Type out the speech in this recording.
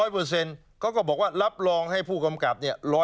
เขาก็บอกว่ารับรองให้ผู้กำกับ